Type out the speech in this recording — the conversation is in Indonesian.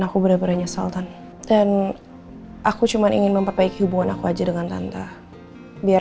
aku benar benar nyesaltan dan aku cuman ingin memperbaiki hubungan aku aja dengan tante biar